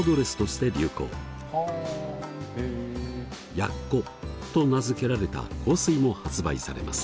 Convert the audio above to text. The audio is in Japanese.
ＹＡＣＣＯと名付けられた香水も発売されます。